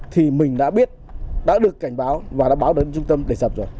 thì mình đã biết đã được cảnh báo và đã báo đến trung tâm để sập rồi